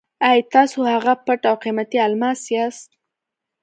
اې! تاسو هغه پټ او قیمتي الماس یاست.